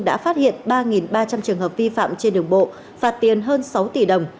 đã phát hiện ba ba trăm linh trường hợp vi phạm trên đường bộ phạt tiền hơn sáu tỷ đồng